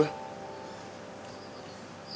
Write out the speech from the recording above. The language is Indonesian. lalu kece kan